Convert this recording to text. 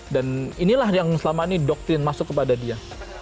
inilah yang selama ini doktrin masuk kepada dia